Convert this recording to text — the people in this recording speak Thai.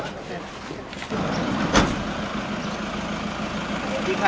สวัสดีครับ